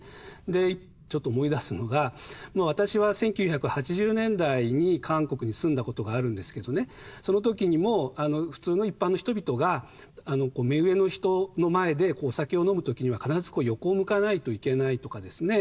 でちょっと思い出すのが私は１９８０年代に韓国に住んだことがあるんですけどねその時にも普通の一般の人々が目上の人の前でお酒を飲む時には必ず横を向かないといけないとかですね